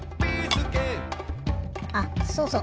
あそうそう。